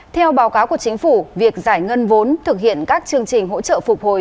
theo báo cáo của chính phủ việc giải ngân vốn thực hiện các chương trình hỗ trợ phục hồi